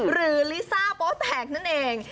หรือลิซ่าโปะแตกนั่นเอง